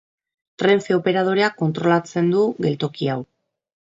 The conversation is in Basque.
Renfe Operadoreak kontrolatzen du geltoki hau.